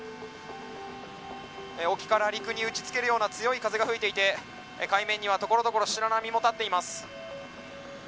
沖から陸に打ち付けるような強い風が吹いていて海面には所々白波も立っています。